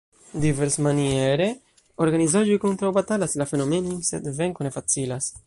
Diversmaniere organizaĵoj kontraŭbatalas la fenomenojn, sed venko ne facilas.